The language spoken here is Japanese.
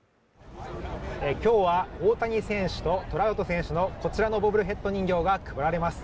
今日は大谷選手とトラウト選手のこちらのボブルヘッド人形が配られます。